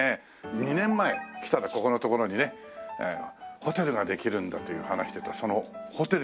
２年前来たらここの所にねホテルができるんだと話してたそのホテル。